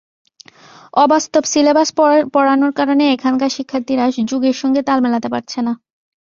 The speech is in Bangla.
অবাস্তব সিলেবাস পড়ানোর কারণে এখানকার শিক্ষার্থীরা যুগের সঙ্গে তাল মেলাতে পারছে না।